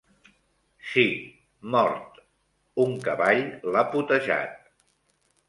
Sí, mort… Un cavall l'ha potejat.